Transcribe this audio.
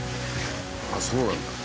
あっそうなんだ。